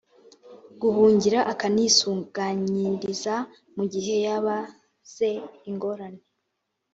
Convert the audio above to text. guhungira akanisuganyiriza mu gihe yaba ze ingorane